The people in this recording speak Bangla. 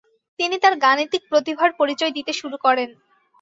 তিনি তার গাণিতিক প্রতিভার পরিচয় দিতে শুরু করেন।